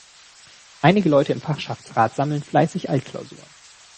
Einige Leute im Fachschaftsrat sammeln fleißig Altklausuren.